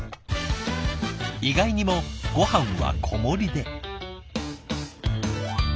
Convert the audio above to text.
意外にもごはんは小盛りで。